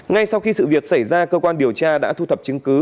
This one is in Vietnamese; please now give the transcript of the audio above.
ngay sau khi sự việc xảy ra cơ quan điều tra đã thu thập chứng cứ